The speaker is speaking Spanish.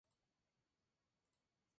Dirige la obra infantil "La muñeca viajera".